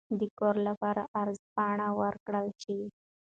د کور لپاره عرض پاڼه ورکړل شي.